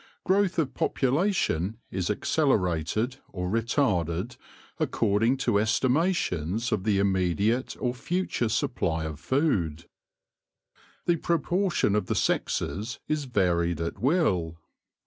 Growth of population is accelerated or retarded, according to estimations of the immediate or future supply of food. The pro portion of the sexes is varied at will.